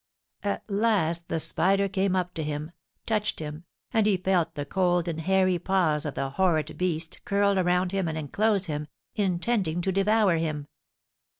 At last the spider came up to him, touched him, and he felt the cold and hairy paws of the horrid beast curl around him and enclose him, intending to devour him.